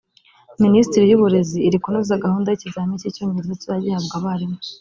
Minisiteri y’Uburezi iri kunoza gahunda y’ikizamini cy’Icyongereza kizajya gihabwa abarimu